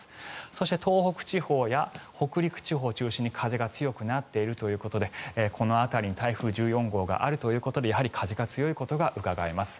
そして東北地方や北陸地方中心に風が強くなっているということでこの辺りに台風１４号があるということでやはり風が強いことがうかがえます。